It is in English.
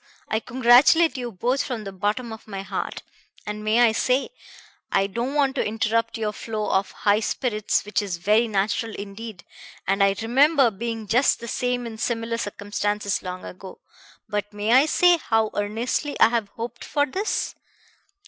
I congratulate you both from the bottom of my heart. And may I say I don't want to interrupt your flow of high spirits, which is very natural indeed, and I remember being just the same in similar circumstances long ago but may I say how earnestly I have hoped for this?